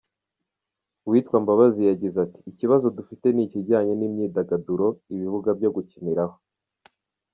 Uwitwa Mbabazi yagize ati “Ikibazo dufite ni ikijyanye n’imyidagaduro, ibibuga byo gukiniraho.